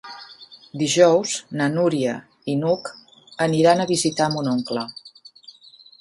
Dijous na Núria i n'Hug aniran a visitar mon oncle.